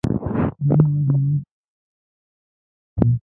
دا هېواد یوازې پر تیلو تکیه نه کوي.